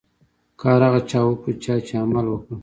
کار هغه چا وکړو، چا چي عمل وکړ.